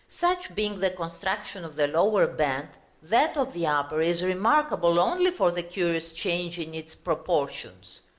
Such being the construction of the lower band, that of the upper is remarkable only for the curious change in its proportions.